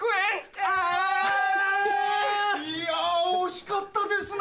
あ！いや惜しかったですね。